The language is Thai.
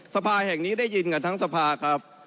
สภาแห่งนี้ได้ยินกันทั้งสภาครับ